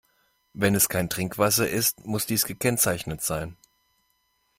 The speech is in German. Wenn es kein Trinkwasser ist, muss dies gekennzeichnet sein.